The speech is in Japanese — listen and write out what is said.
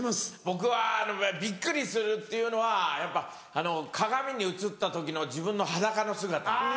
僕はびっくりするっていうのはやっぱあの鏡に映った時の自分の裸の姿。